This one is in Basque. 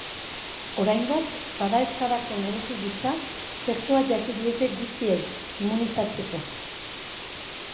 Oraingoz, badaezpadako neurri gisa, txertoa jarri diete guztiei, immunizatzeko.